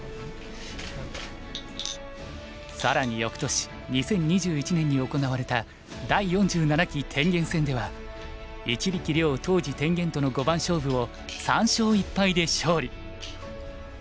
更に翌年２０２１年に行われた第４７期天元戦では一力遼当時天元との五番勝負を３勝１敗で勝利。